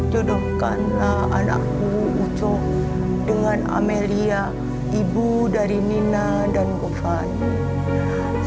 jodohkanlah anakku ucu dengan amelia ibu dari nina dan govani